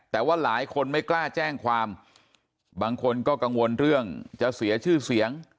แต่ว่าหลายคนไม่กล้าแจ้งความบางคนก็กังวลเรื่องจะเสียชื่อเสียง